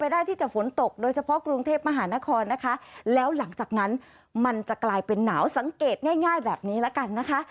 ดังนั้นมันจะกลายเป็นหนาวสังเกตง่ายแบบนี้แล้วกันนะคะ